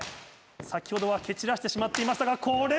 先ほどは蹴散らしてしまっていましたがこれも！